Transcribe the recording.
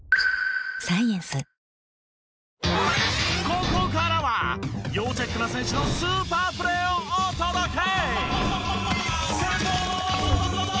ここからは要チェックな選手のスーパープレーをお届け！